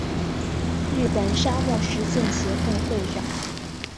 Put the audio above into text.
日本沙漠实践协会会长。